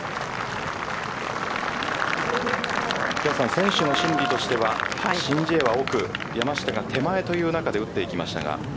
選手の心理としては申ジエは奥、山下が手前という中で打っていきましたが。